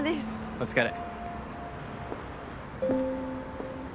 お疲れ。